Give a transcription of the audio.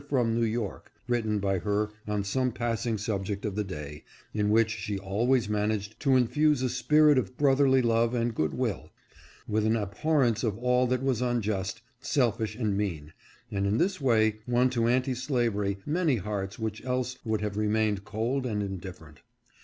from New York," written by her on some passing subject of the day, in which she always managed to infuse a spirit of brotherly love and good will, with an abhorrence of all that was unjust, selfish and mean, and in this way won to anti slavery many hearts which else would have remained cold and indifferent.